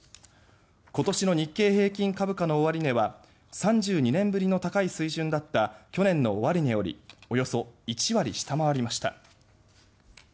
今年の日経平均株価の終値は３２年ぶりの高い水準だった去年の終値よりおよそ１割下回りました。